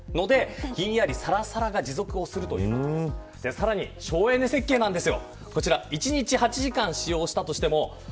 さらに省エネ設計なんです。